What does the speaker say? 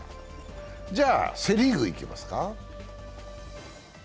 じゃあ、セ・リーグいきますか。